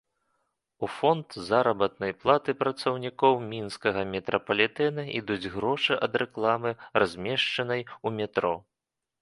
У фонд заработнай платы працаўнікоў мінскага метрапалітэна ідуць грошы ад рэкламы, размешчанай ў метро.